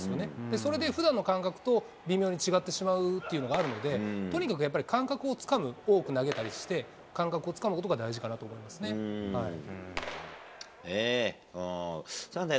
それでふだんの感覚と微妙に違ってしまうっていうのがあるので、とにかくやっぱり、感覚をつかむ、多く投げたりして、感覚をつかむことが大事かなと思いますね。